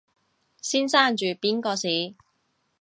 先生住邊個巿？